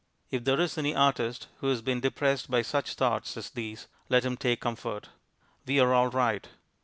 If there is any artist who has been depressed by such thoughts as these, let him take comfort. _We are all right.